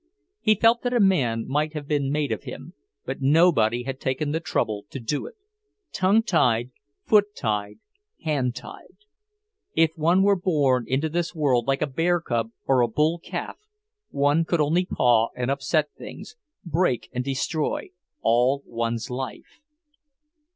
He felt that a man might have been made of him, but nobody had taken the trouble to do it; tongue tied, foot tied, hand tied. If one were born into this world like a bear cub or a bull calf, one could only paw and upset things, break and destroy, all one's life.